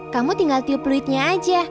kamu tinggal tiup peluitnya aja